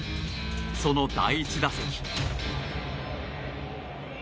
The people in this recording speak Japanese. その第１打席。